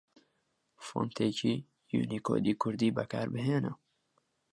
فۆنتێکی یوونیکۆدی کوردی بەکاربهێنە